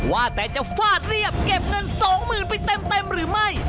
ว่าแต่จะฟาดเรียบเก็บเงิน๒๐๐๐ไปเต็มหรือไม่